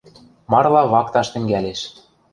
Марла вакташ тӹнгӓлеш: